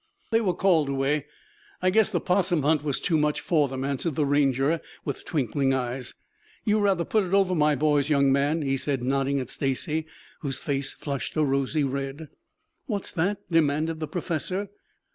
"They were called away. I guess the 'possum hunt was too much for them," answered the Ranger with twinkling eyes. "You rather put it over my boys, young man," he said nodding at Stacy, whose face flushed a rosy red. "What's that?" demanded the professor.